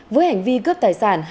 với hành vi cướp tài sản